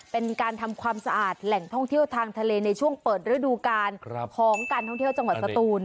เป็นการทำความสะอาดแหล่งท่องเที่ยวทางทะเลในช่วงเปิดฤดูกาลของการท่องเที่ยวจังหวัดสตูน